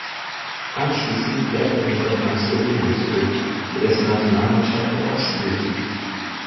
Anschließend kehrte er jedoch nach Slowenien zurück, für dessen Nationalmannschaft er auch spielte.